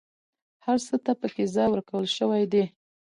هر څه ته پکې ځای ورکول شوی دی.